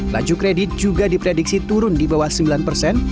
laju kredit juga diprediksi turun di bawah sembilan persen